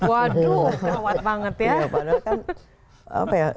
waduh gawat banget ya